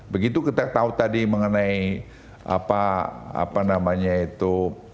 begitu kita tahu tadi mengenai apa namanya itu